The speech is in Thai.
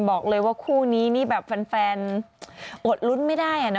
บอกเลยว่าคู่นี้นี่แบบแฟนอดลุ้นไม่ได้